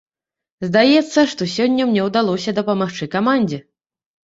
Здаецца, што сёння мне ўдалося дапамагчы камандзе.